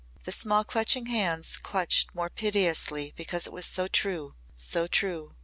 The small clutching hands clutched more piteously because it was so true so true.